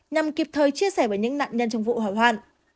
nhằm kịp thời chia sẻ với những nạn nhân trong vụ hỏa hoạn